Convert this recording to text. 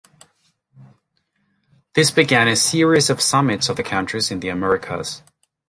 This began a series of Summits of the countries in The Americas.